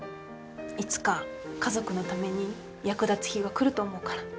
いつか家族のために役立つ日が来ると思うから。